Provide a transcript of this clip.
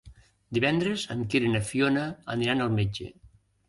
Divendres en Quer i na Fiona aniran al metge.